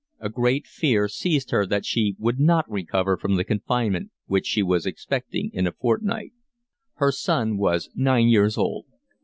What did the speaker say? A great fear seized her that she would not recover from the confinement which she was expecting in a fortnight. Her son was nine years old.